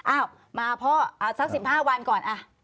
อ้าวมาพ่อสัก๑๕วันก่อน